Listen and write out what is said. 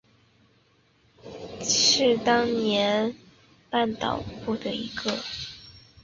伽倻是当时半岛南部的一个城邦联盟。